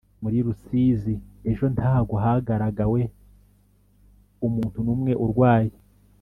muri rusizi ejo ntago hagaragawe umuntu numwe urwaye